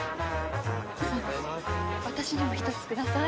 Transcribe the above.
私にも１つください。